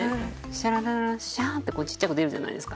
「シャラララシャン！」ってちっちゃく出るじゃないですか。